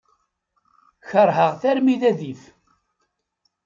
Keṛheɣ-t armi d adif.